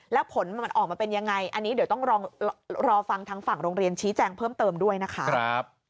แล้วผลมันออกมาเป็นยังไงอันนี้เดี๋ยวต้องรอฟังทางฝั่งโรงเรียนชี้แจงเพิ่มเติมด้วยนะคะ